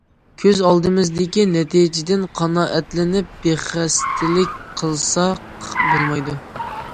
كۆز ئالدىمىزدىكى نەتىجىدىن قانائەتلىنىپ بىخەستەلىك قىلساق بولمايدۇ.